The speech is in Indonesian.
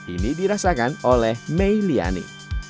ini dirasakan oleh may liani